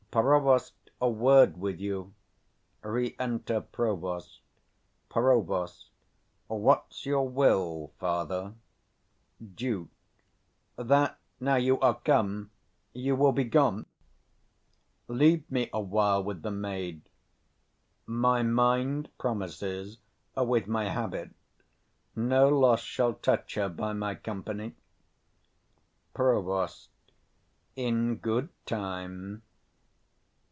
_] Provost, a word with you! Re enter PROVOST. Prov. What's your will, father? 170 Duke. That now you are come, you will be gone. Leave me awhile with the maid: my mind promises with my habit no loss shall touch her by my company. Prov. In good time.